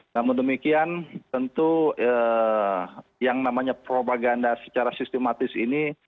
namun demikian tentu yang namanya propaganda secara sistematis ini